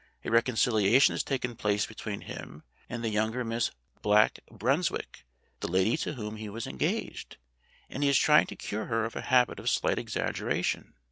A reconciliation has taken place between him and the younger Miss Black Brunswick (the lady to whom he was engaged), and he is trying to cure her of a habit of slight exaggeration.